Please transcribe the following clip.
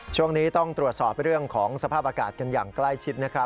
ช่วงนี้ต้องตรวจสอบเรื่องของสภาพอากาศกันอย่างใกล้ชิดนะครับ